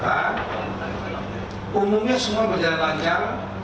di jawa tengah umumnya semua berjalan lancar